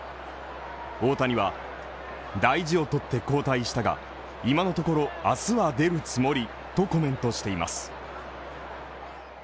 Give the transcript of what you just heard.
大谷は大事を取って交代したが、今のところ、明日は出るつもりとコメントしています。